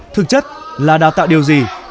thực chất là đào tạo điều gì